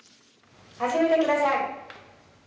始めてください。